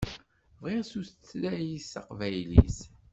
Bɣiɣ tutayt taqbaylit.